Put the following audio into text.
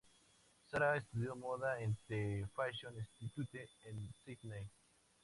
Sarah estudió moda en el "The Fashion Institute" en Sydney.